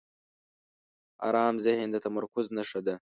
آرام ذهن د تمرکز نښه ده.